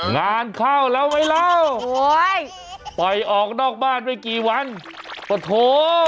งานเข้าแล้วไหมแล้วโอ้ยไปออกนอกบ้านไปกี่วันโอ้โธ